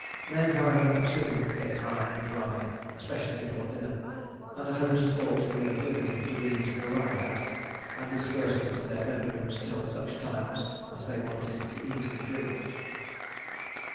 Men, however, soon get high and dry, especially before dinner; and a host ought to be at liberty to read the Riot Act, and disperse them to their bedrooms, till such times as they wanted to eat and drink.